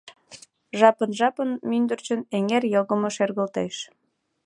Жапын-жапын мӱндырчын эҥер йогымо шергылтеш.